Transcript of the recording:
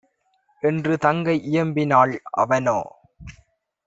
என்று தங்கை இயம்பினாள். அவனோ